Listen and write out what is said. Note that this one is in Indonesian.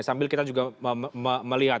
sambil kita juga melihat